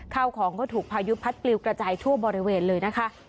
ข้าวของก็ถูกพายุพัดปลิวกระจายทั่วบริเวณเลยนะคะ